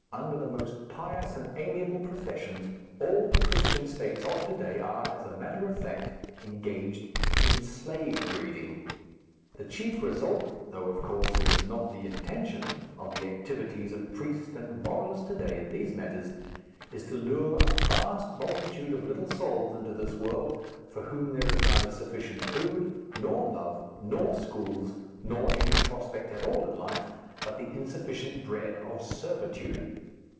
Under the most pious and amiable professions, all the Christian states of to day are, as a matter of fact, engaged in slave breeding. The chief result, though of course it is not the intention, of the activities of priest and moralist to day in these matters, is to lure a vast multitude of little souls into this world, for whom there is neither sufficient food, nor love, nor schools, nor any prospect at all in life but the insufficient bread of servitude.